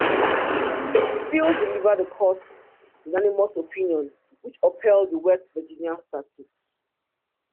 Field delivered the Court's unanimous opinion which upheld the West Virginia statute.